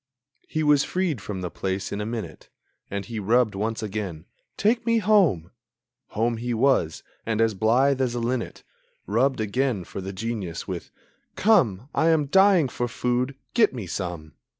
He was freed from the place in a minute; And he rubbed once again: "Take me home!" Home he was. And as blithe as a linnet Rubbed again for the Genius with: "Come, I am dying for food; get me some!"